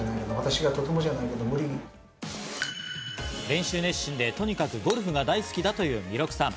練習熱心でとにかくゴルフが大好きだという弥勒さん。